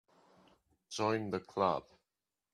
Join the Club.